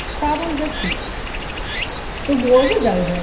Problems of Peace. The war was over.